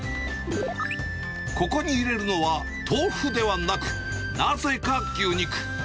ここに入れるのは、豆腐ではなく、なぜか牛肉。